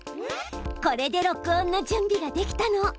これで録音の準備ができたの。